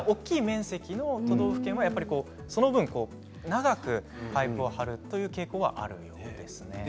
傾向としては大きい面積の都道府県は、その分長くパイプを張るという傾向があるようですね。